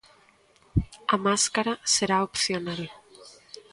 A máscara será opcional.